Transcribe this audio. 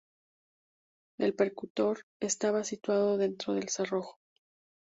El percutor estaba situado dentro del cerrojo.